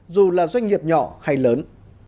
doanh nghiệp nhỏ hay lớn